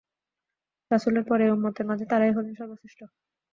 রাসূলের পর এ উম্মতের মাঝে তারাই হলেন সর্বশ্রেষ্ঠ।